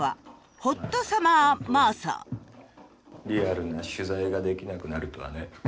リアルな取材ができなくなるとはね。